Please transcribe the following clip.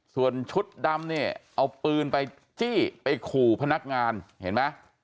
ส่วนชุดดำเนี่ยเอาปืนไปจี้ไปขู่พนักงานเห็นไหม